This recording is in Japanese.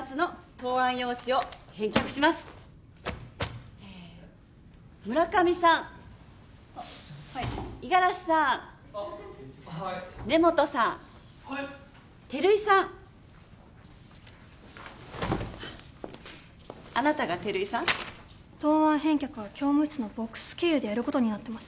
答案返却は教務室のボックス経由でやることになってます。